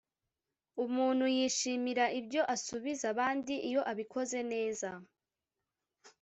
umuntu yishimira ibyo asubiza abandi, iyo abikoze neza